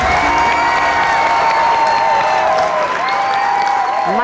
ต่อเร็วครับ